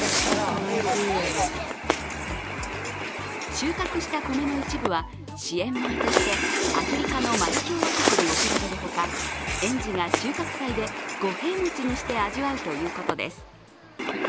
収穫したコメの一部は、支援米としてアフリカのマリ共和国に送られるほか、園児が収穫祭で五平餅にして味わうということです。